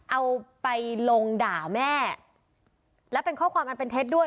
เอาไปลงด่าแม่และเป็นข้อความอันเป็นเท็จด้วย